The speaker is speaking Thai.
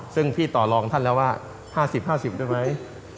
ซึ่งพี่ต่อรองท่านแล้วว่า๕๐๕๐ได้ไหม